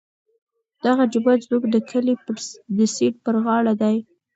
دغه جومات زموږ د کلي د سیند پر غاړه دی.